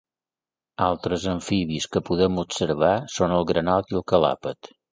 Altres amfibis que podem observar són el granot i el calàpet.